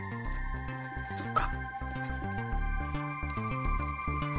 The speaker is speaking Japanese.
そっか。